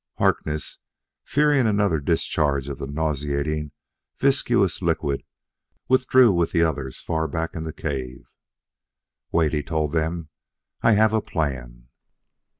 Harkness, fearing another discharge of the nauseating, viscous liquid, withdrew with the others far back in the cave. "Wait," he told them. "I have a plan."